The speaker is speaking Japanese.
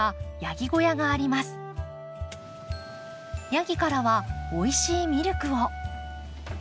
ヤギからはおいしいミルクを。